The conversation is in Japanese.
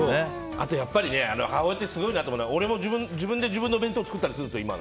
あと母親ってすごいなと思うのは俺も自分で自分の弁当を作ったりするんです、今。